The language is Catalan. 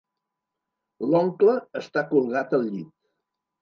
L'oncle està colgat al llit.